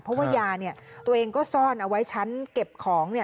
เพราะว่ายาตัวเองก็ซ่อนเอาไว้ชั้นเก็บของ